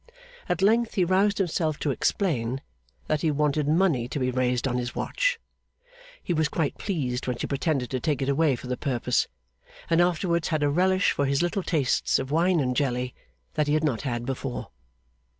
At length he roused himself to explain that he wanted money to be raised on this watch. He was quite pleased when she pretended to take it away for the purpose, and afterwards had a relish for his little tastes of wine and jelly, that he had not had before.